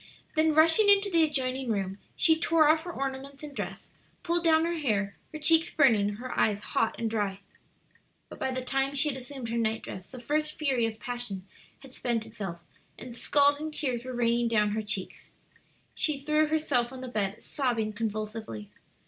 Then rushing into the adjoining room, she tore off her ornaments and dress, pulled down her hair, her cheeks burning, her eyes hot and dry. But by the time she had assumed her night dress the first fury of passion had spent itself, and scalding tears were raining down her cheeks. She threw herself on the bed, sobbing convulsively.